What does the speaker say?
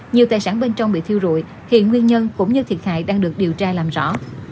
nhiều tài sản bên trong bị thiêu rụi hiện nguyên nhân cũng như thiệt hại đang được điều tra làm rõ